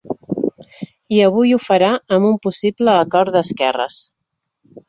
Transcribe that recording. I avui ho farà amb un possible acord d’esquerres.